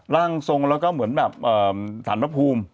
ร่างทรงแล้วก็เหมือนแบบฐานพระภูมิ